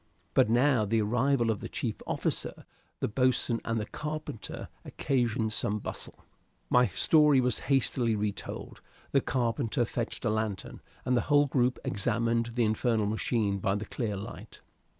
But now the arrival of the chief officer, the boatswain, and the carpenter occasioned some bustle. My story was hastily re told. The carpenter fetched a lantern, and the whole group examined the infernal machine by the clear light.